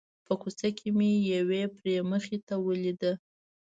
په کوڅه کې مې یوې پري مخې ولیده.